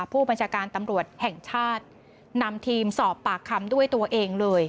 ผู้บัญชาการตำรวจแห่งชาตินำทีมสอบปากคำด้วยตัวเองเลย